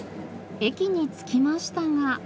駅に着きましたが。